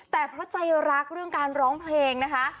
แต่เพราะใจรักเรื่องการร้องเพลงนะคะ